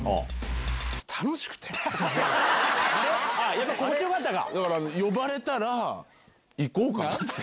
やっぱ心地良かったか？